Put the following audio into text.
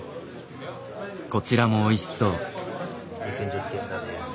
こちらもおいしそう。